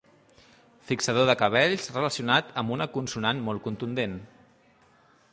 Fixador de cabells relacionat amb una consonant molt contundent.